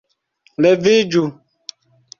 Leviĝu!